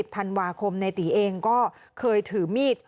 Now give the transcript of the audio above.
ธันวาคมในตีเองก็เคยถือมีด